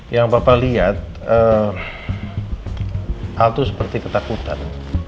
yang papa lihat eh al tuh seperti ketakutan